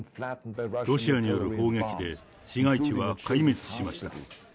ロシアによる砲撃で市街地は壊滅しました。